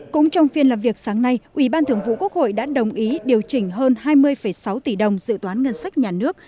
cũng trong phiên làm việc sáng nay ủy ban thường vụ quốc hội đã đồng ý điều chỉnh hơn hai mươi sáu tỷ đồng dự toán ngân sách nhà nước